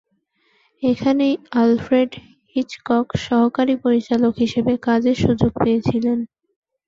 এখানেই Alfred Hitchcock সহকারী পরিচালক হিসেবে কাজের সুযোগ পেয়েছিলেন।